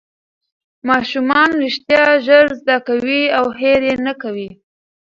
ماشومان رښتیا ژر زده کوي او هېر یې نه کوي